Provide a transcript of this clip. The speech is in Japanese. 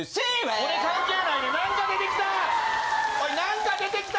俺関係ないのに、なんか出てきた。